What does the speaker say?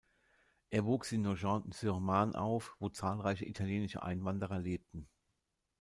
Er wuchs in Nogent-sur-Marne auf, wo zahlreiche italienische Einwanderer lebten.